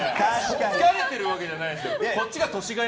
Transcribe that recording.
疲れてるわけじゃないんだよ。